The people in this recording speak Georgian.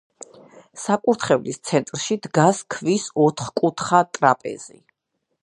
საკურთხევლის ცენტრში დგას ქვის ოთხკუთხა ტრაპეზი.